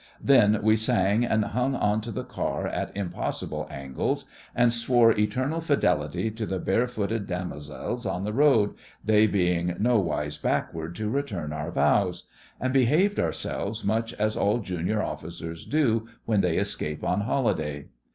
Then we sang and hung on to the car at impossible angles, and swore eternal fidelity to the bare footed damosels on the road, they being no wise backward to return our vows; and behaved ourselves much as all junior officers do when they escape on holiday.